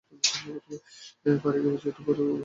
পাড়িকে কেটে বড়ো করতে গেলেই তার জল ফুরিয়ে পাঁক বেরিয়ে পড়ে।